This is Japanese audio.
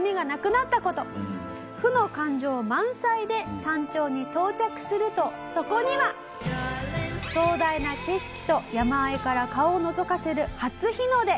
負の感情満載で山頂に到着するとそこには壮大な景色と山あいから顔をのぞかせる初日の出。